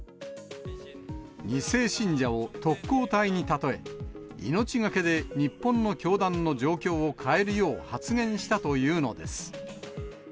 ２世信者を特攻隊に例え、命懸けで日本の教団の状況を変えるよう発言したというのです。